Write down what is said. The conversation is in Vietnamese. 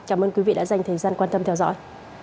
chào mừng quý vị đã dành thời gian quan tâm theo dõi